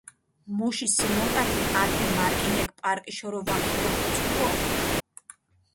მუში სიმონკათი ათე მარკინექ პარკიშორო ვაქიგეხორცქუო.